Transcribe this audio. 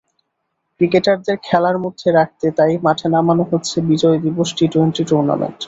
ক্রিকেটারদের খেলার মধ্যে রাখতে তাই মাঠে নামানো হচ্ছে বিজয় দিবস টি-টোয়েন্টি টুর্নামেন্ট।